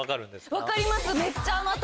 分かります。